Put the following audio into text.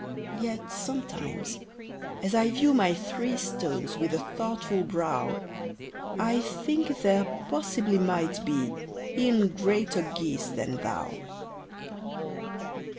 Yet sometimes, as I view my three Stones with a thoughtful brow, I think there possibly might be E'en greater geese than thou.